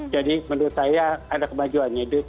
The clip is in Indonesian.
jadi menurut saya ada kemajuannya